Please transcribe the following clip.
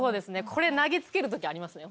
これ投げつける時ありますね。